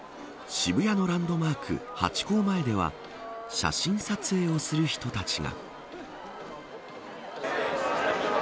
渋谷のランドマークハチ公前では写真撮影をする人たちが。